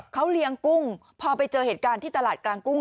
เขาเลี้ยงกุ้งพอไปเจอเหตุการณ์ที่ตลาดกลางกุ้ง